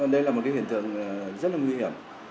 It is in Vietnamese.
đây là một cái hiện tượng rất là nguy hiểm